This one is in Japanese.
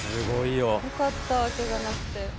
よかった、けがなくて。